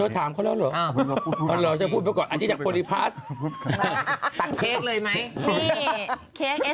เธอถามเขาแล้วเหรอ